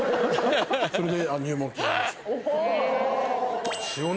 それで。